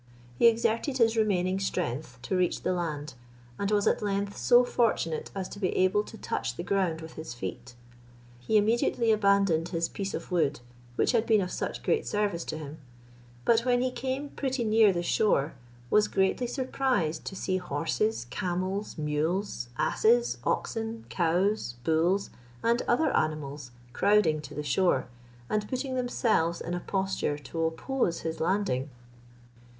He exerted his remaining strength to reach the land, and was at length so fortunate as to be able to touch the ground with his feet. He immediately abandoned his piece of wood, which had been of such great service to him; but when he came pretty near the shore, was greatly surprised to see horses, camels, mules, asses, oxen, cows, bulls, and other animals crowding to the shore, and putting themselves in a posture to oppose his landing.